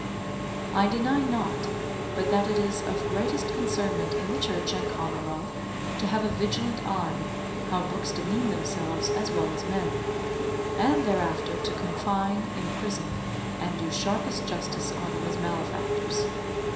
I deny not, but that it is of greatest concernment in the Church and Commonwealth, to have a vigilant eye how books demean themselves as well as men; and thereafter to confine, imprison, and do sharpest justice on them as malefactors.